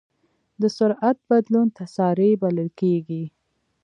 د سرعت بدلون تسارع بلل کېږي.